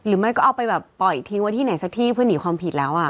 หรือไม่ก็เอาไปแบบปล่อยทิ้งไว้ที่ไหนสักที่เพื่อหนีความผิดแล้ว